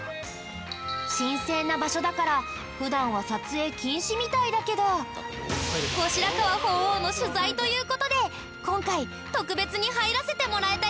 神聖な場所だから普段は撮影禁止みたいだけど後白河法皇の取材という事で今回特別に入らせてもらえたよ。